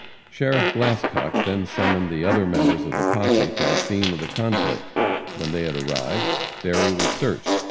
Sheriff Glascock then summoned the other members of the posse to the scene of the conflict. When they had arrived, Berry was searched.